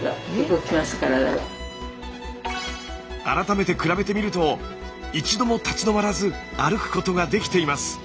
改めて比べてみると一度も立ち止まらず歩くことができています。